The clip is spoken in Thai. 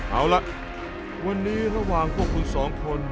เอาละวันนี้ระหว่ำจะสร้างแปบเดียว